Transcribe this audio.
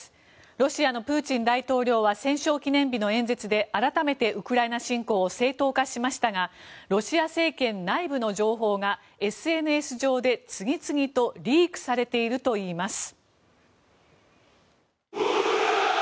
ロシアのプーチン大統領は戦勝記念日の演説で改めてウクライナ侵攻を正当化しましたがロシア政権内部の情報がＳＮＳ上で次々とリークされているといいます。